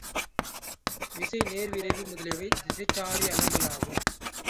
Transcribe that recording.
விசை, நேர்விரைவு முதலியவை திசைச்சாரி அளவுகளாகும்.